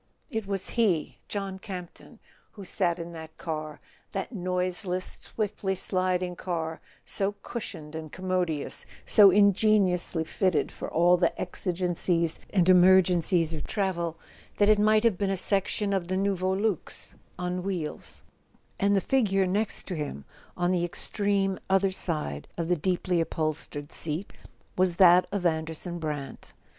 It was he, John Campton, who sat in that car—that noiseless swiftly sliding car, so cushioned and com¬ modious, so ingeniously fitted for all the exigencies and emergencies of travel, that it might have been a section of the Nouveau Luxe on wheels; and the figure next to him, on the extreme other side of the deeply upholstered seat, was that of Anderson Brant.